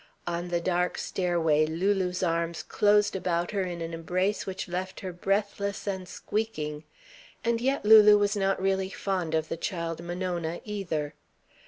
On the dark stairway Lulu's arms closed about her in an embrace which left her breathless and squeaking. And yet Lulu was not really fond of the child Monona, either.